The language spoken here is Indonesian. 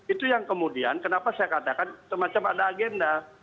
itu yang kemudian kenapa saya katakan semacam ada agenda